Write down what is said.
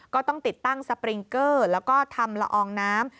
ก็ต้องติดตั้งสปริงเกอร์แล้วก็ทำละอองน้ำ